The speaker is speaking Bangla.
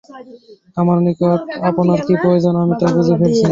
আমার নিকট আপনার কি প্রয়োজন আমি তা বুঝে ফেলেছি।